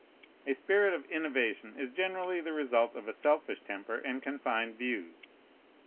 A spirit of innovation is generally the result of a selfish temper and confined views.